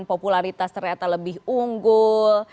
popularitas ternyata lebih unggul